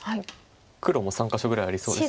黒も３か所ぐらいありそうです。